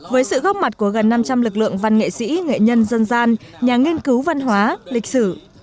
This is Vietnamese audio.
với sự góp mặt của gần năm trăm linh lực lượng văn nghệ sĩ nghệ nhân dân gian nhà nghiên cứu văn hóa lịch sử